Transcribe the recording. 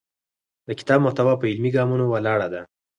د کتاب محتوا په عملي ګامونو ولاړه ده.